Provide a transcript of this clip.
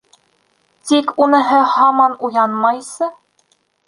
Тик уныһы һаман уянмайсы.